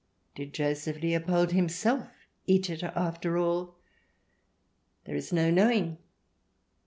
Did Joseph Leopold himself eat it after all ? There is no knowing.